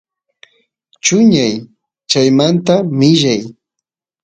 chuñay chaymanta millay